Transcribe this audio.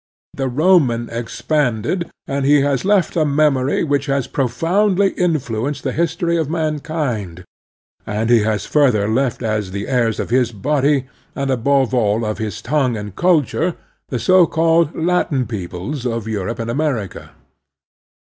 The Roman expanded, and he has left a memory which has profoimdly influenced the history of mankind, and he has* further left as the heirs of his body, and, above all, of his tongue and culture, the so called Latin peoples of Europe and America.